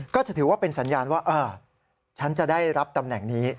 ก็จะถือว่าเป็นสัญญาณว่าฉันจะได้รับตำแหน่งนี้